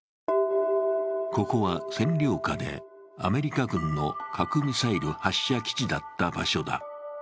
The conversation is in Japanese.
ここは占領下でアメリカ軍の核ミサイル発射基地だった場所だ。